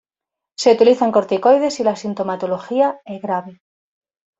Se utilizan corticoides si la sintomatología es grave.